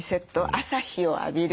朝日を浴びる。